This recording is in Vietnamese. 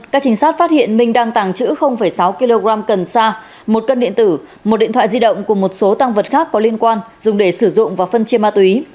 các trinh sát phát hiện minh đang tàng trữ sáu kg cần sa một cân điện tử một điện thoại di động cùng một số tăng vật khác có liên quan dùng để sử dụng và phân chia ma túy